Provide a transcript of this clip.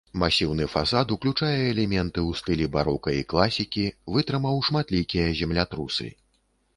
Масіўны фасад уключае элементы ў стылі барока і класікі, вытрымаў шматлікія землятрусы.